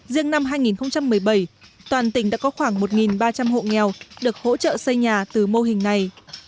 riêng năm hai nghìn một mươi bảy toàn tỉnh đã có khoảng một ba trăm linh hộ nghèo được hỗ trợ xây nhà từ mô hình này